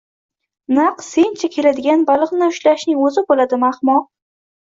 “Naq sencha keladigan baliqni ushlashning o’zi bo’ladimi, ahmoq”